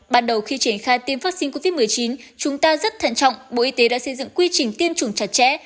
ban đầu khi triển khai tiêm vaccine covid một mươi chín chúng ta rất thận trọng bộ y tế đã xây dựng quy trình tiêm chủng chặt chẽ